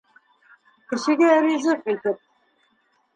Кешегә ризыҡ итеп.